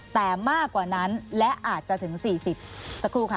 แต่มากกว่านั้นและอาจจะถึง๔๐สักครู่ค่ะ